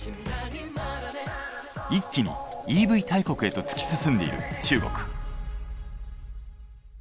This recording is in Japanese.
一気にＥＶ大国へと突き進んでいる中国。